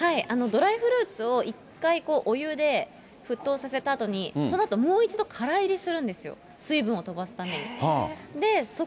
ドライフルーツを一回、お湯で沸騰させたあとに、そのあともう一度からゆでするんですよ、水分を飛ばすために。